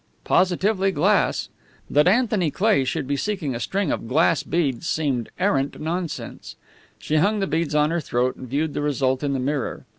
Positively glass! That Anthony Cleigh should be seeking a string of glass beads seemed arrant nonsense. She hung the beads on her throat and viewed the result in the mirror.